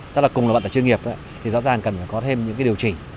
tức là cùng là vận tải chuyên nghiệp thì rõ ràng cần phải có thêm những điều chỉnh